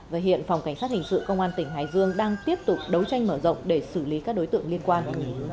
và hiện phòng cảnh sát hình sự công an tỉnh hải dương đang tiếp tục đấu tranh mở rộng để xử lý các đối tượng liên quan